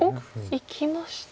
いきました。